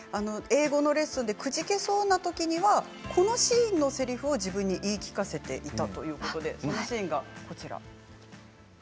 英語のレッスンでくじけそうなときにはこのシーンのせりふを自分に言い聞かせていたということです。